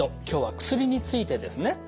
今日は薬についてですね。